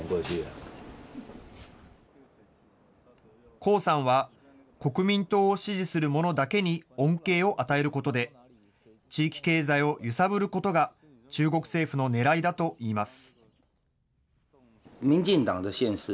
洪さんは、国民党を支持するものだけに恩恵を与えることで、地域経済を揺さぶることが中国政府のねらいだといいます。